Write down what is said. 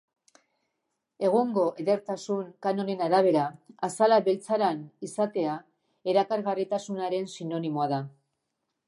Egungo edertasun kanonen arabera, azala beltzaran izatea erakargarritasunaren sinonimoa da.